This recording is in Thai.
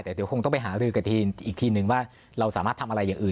แต่เดี๋ยวคงต้องไปหารือกับทีมอีกทีนึงว่าเราสามารถทำอะไรอย่างอื่น